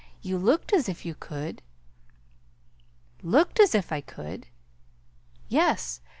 "You looked as if you could!" "Looked as if I could!" "Yes.